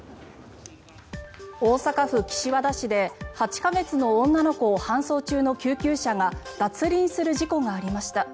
大阪府岸和田市で８か月の女の子を搬送中の救急車が脱輪する事故がありました。